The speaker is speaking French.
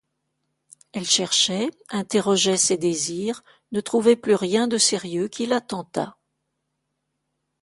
Elle cherchait, interrogeait ses désirs, ne trouvait plus rien de sérieux qui la tentât.